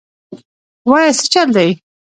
وايه سه چل دې.